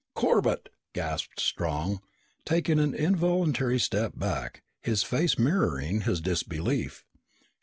"Corbett!" gasped Strong, taking an involuntary step back, his face mirroring his disbelief.